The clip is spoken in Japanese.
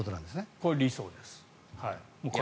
これが理想です。